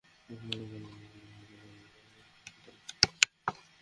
ভালো-মন্দ যেমনই হই না কেন।